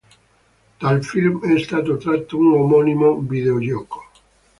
Dal film è stato tratto un omonimo videogioco.